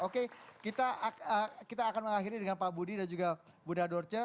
oke kita akan mengakhiri dengan pak budi dan juga bunda dorce